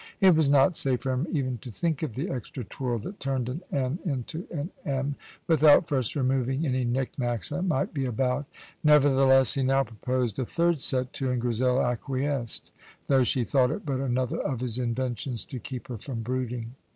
It was not safe for him even to think of the extra twirl that turned an n into an m, without first removing any knick knacks that might be about. Nevertheless, he now proposed a third set to, and Grizel acquiesced, though she thought it but another of his inventions to keep her from brooding.